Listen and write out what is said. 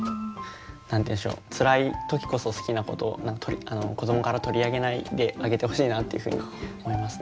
何て言うんでしょうつらい時こそ好きなことを子どもから取り上げないであげてほしいなっていうふうに思いますね。